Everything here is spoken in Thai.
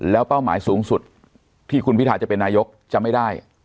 แล้วเป้าหมายสูงสุดที่คุณพิทาจะเป็นนายกจะไม่ได้